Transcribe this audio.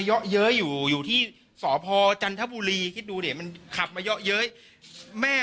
เยอะอยู่อยู่ที่สพจันทบุรีคิดดูเดี๋ยวมันขับมาเยอะแม่